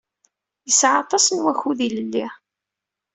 Yesɛa aṭas n wakud ilelli.